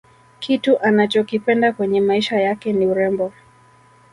kitu anachokipenda kwenye maisha yake ni urembo